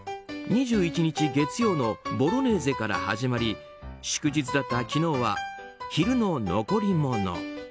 ２１日月曜のボロネーゼから始まり祝日だった昨日は昼の残り物。